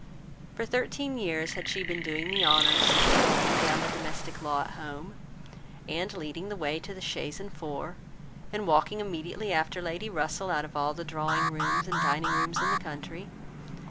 For thirteen years had she been doing the honours, and laying down the domestic law at home, and leading the way to the chaise and four, and walking immediately after Lady Russell out of all the drawing rooms and dining rooms in the country.